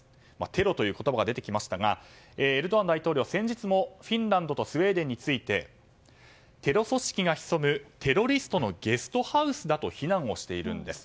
テロという言葉が出てきましたがエルドアン大統領は先日もフィンランドとスウェーデンについてテロ組織が潜むテロリストのゲストハウスだと非難をしているんです。